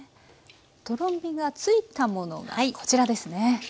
とろみがついたものがこちらですね。